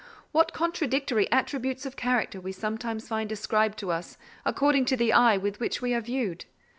What contradictory attributes of character we sometimes find ascribed to us, according to the eye with which we are viewed!